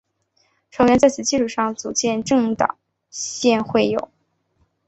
成员在此基础上组建政党宪友会。